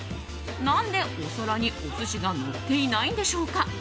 何でお皿にお寿司がのっていないんでしょうか。